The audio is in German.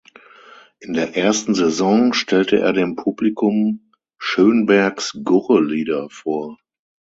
In der ersten Saison stellte er dem Publikum Schönbergs Gurre-Lieder vor.